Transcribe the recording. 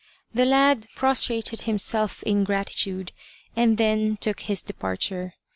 The lad prostrated himself in gratitude, and then took his departure.